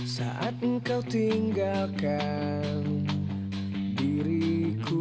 saat engkau tinggalkan diriku